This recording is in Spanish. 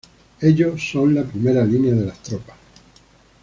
Ellos son la primera línea de las tropas.